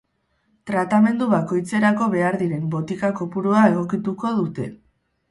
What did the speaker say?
Tratamendu bakoitzerako behar diren botika kopurua egokituko dute.